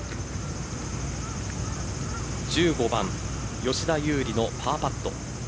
１５番、吉田優利のパーパット。